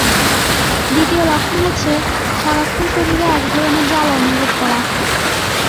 দ্বিতীয় লক্ষণ হচ্ছে, সারাক্ষণ শরীরে একধরনের জ্বালা অনুভব করা।